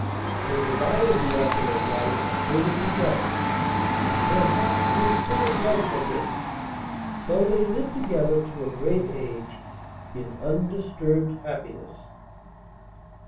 They divided the apple of life and ate it together, and her heart grew full of love for him, so they lived together to a great age in undisturbed happiness.